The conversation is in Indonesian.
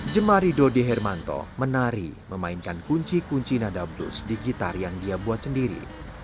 jemari dodi hermanto menari memainkan kunci kunci nada blus di gitar yang dia buat sendiri